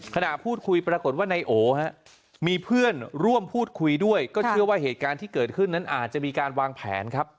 ขณะพูดคุยปรากฏว่านายโอมีเพื่อนร่วมพูดคุยด้วยก็เชื่อว่าเหตุการณ์ที่เกิดขึ้นนั้นอาจจะมีการวางแผนครับ